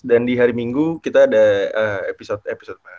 dan di hari minggu kita ada episode